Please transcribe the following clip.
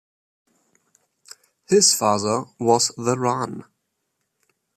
His father was the Ran.